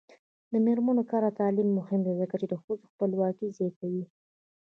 د میرمنو کار او تعلیم مهم دی ځکه چې ښځو خپلواکي زیاتوي.